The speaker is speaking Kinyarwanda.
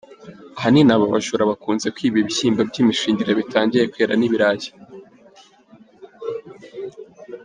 Ahanini aba bajura bakunze kwiba ibishyimbo by’imishingiriro bitangiye kwera, n’ibirayi.